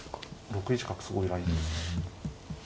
６一角すごいラインですね。